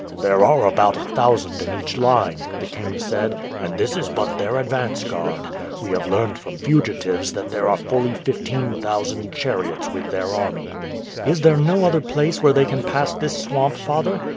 "There are about a thousand in each line," the king said, "and this is but their advance guard. We have learned from fugitives that there are fully fifteen thousand chariots with their army." "Is there no other place where they can pass this swamp, father?"